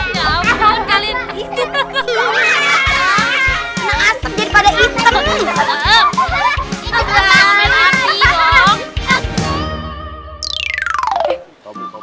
jadi pada itu